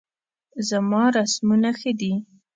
زما رسمونه ښه دي